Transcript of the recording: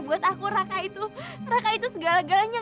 buat aku raka itu raka itu segala galanya